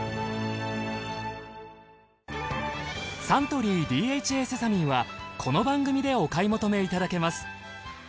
サントリーＤＨＡセサミンはこの番組でお買い求めいただけます。